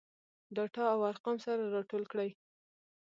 ډاټا او ارقام سره راټول کړي.